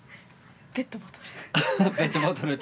ペットボトル。